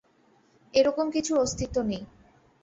এরকম কিছুর অস্তিত্ব নেই।